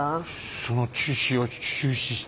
その中止を中止して。